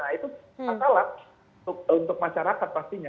nah itu masalah untuk masyarakat pastinya